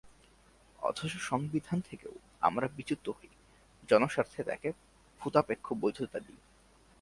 অথচ সংবিধান থেকেও আমরা বিচ্যুত হই, জনস্বার্থে তাকে ভূতাপেক্ষ বৈধতা দিই।